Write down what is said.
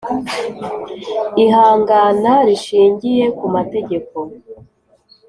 ihangana rishingiye ku mategeko.